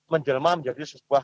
menjelma menjadi sebuah